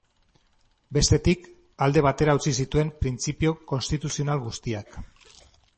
Bestetik, alde batera utzi zituen printzipio konstituzional guztiak.